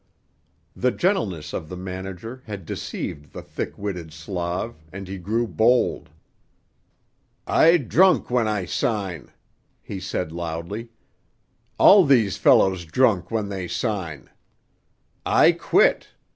The gentleness of the Manager had deceived the thick witted Slav and he grew bold. "I drunk when I sign," he said loudly. "All these fellow drunk when they sign. I quit.